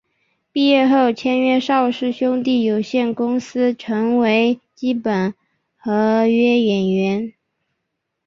毕业后签约邵氏兄弟有限公司成为基本合约演员。